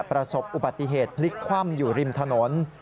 ประสบอุบัติเหตุพลิกคว่ำอยู่ริมถนน